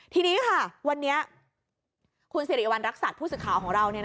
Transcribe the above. ทีนี้ค่ะวันนี้คุณศิริวันรักษาผู้ศึกข่าวของเรา